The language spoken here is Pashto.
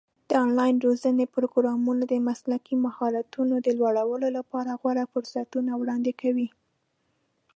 د آنلاین روزنې پروګرامونه د مسلکي مهارتونو د لوړولو لپاره غوره فرصتونه وړاندې کوي.